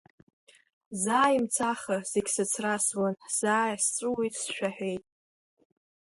Заа имцаха зегь сыцрасуан, заа сҵәуеит, сшәаҳәеит.